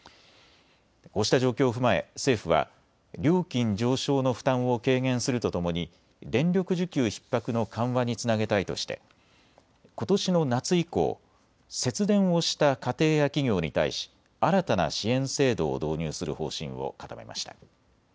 こうした状況を踏まえ政府は料金上昇の負担を軽減するとともに電力需給ひっ迫の緩和につなげたいとしてことしの夏以降、節電をした家庭や企業に対し新たな支援制度を導入する方針を固めました。